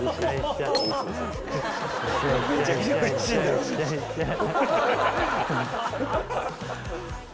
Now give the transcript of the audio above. めちゃくちゃうれしいんだろうな。